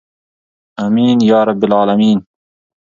امین یا رب العالمین.